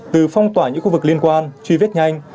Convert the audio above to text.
từ phong tỏa những khu vực liên quan truy vết nhanh